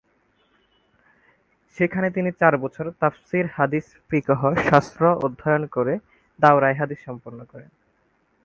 সেখানে তিনি চার বছর তাফসির, হাদিস, ফিকহ শাস্ত্র অধ্যয়ন করে দাওরায়ে হাদিস সম্পন্ন করেন।